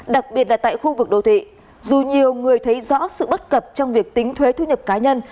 đặc biệt là tại khu vực đô thị dù nhiều người thấy rõ sự bất cập trong việc tính thuế thu nhập cá nhân